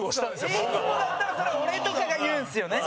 兼近：いつもだったら、それは俺とかが言うんですよね。